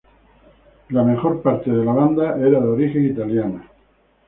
La major parte de la banda fue de origen italiana.